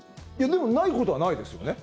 でもないことはないですよね？